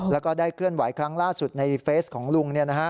แล้วก็ได้เคลื่อนไหวครั้งล่าสุดในเฟสของลุง